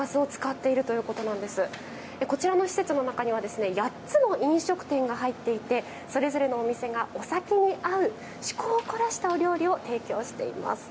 こちらの施設の中にはですね８つの飲食店が入っていてそれぞれのお店がお酒に合う趣向を凝らしたお料理を提供しています。